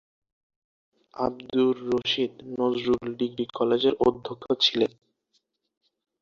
Abdur Rashid Nazrul degree কলেজের অধ্যক্ষ ছিলেন।